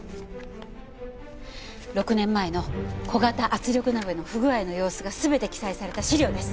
６年前の小型圧力鍋の不具合の様子が全て記載された資料です。